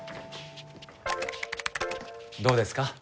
どうですか？